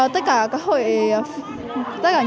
tất cả các hội tất cả những người pháp